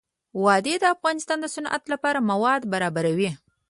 وادي د افغانستان د صنعت لپاره مواد برابروي.